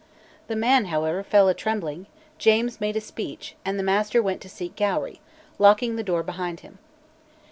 The man, however, fell a trembling, James made a speech, and the Master went to seek Gowrie, locking the door behind him.